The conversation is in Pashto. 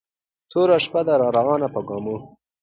توره شپه ده را روانه په ګامونو